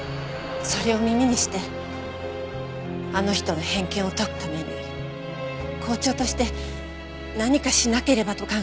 それを耳にしてあの人の偏見を解くために校長として何かしなければと考えました。